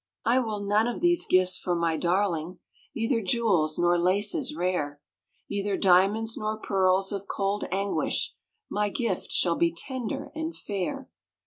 I will none of these gifts for my darling, Neither jewels nor laces rare, Neither diamonds nor pearls of cold anguish My gift shall be tender and fair.